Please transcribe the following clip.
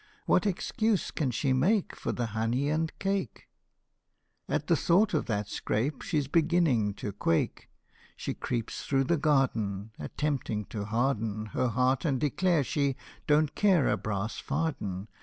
What excuse can she make For the honey and cake ? At the thought of that scrape she's beginning to quake. She creeps through the garden, Attempting to harden Her heart, and declare she " Don't care a brass farden."